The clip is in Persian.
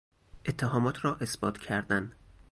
اتهامات را اثبات کردن